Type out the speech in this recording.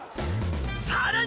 さらに！